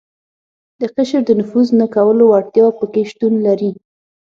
د قشر د نفوذ نه کولو وړتیا په کې شتون لري.